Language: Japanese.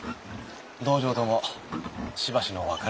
道場ともしばしの別れだ。